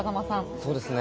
そうですね。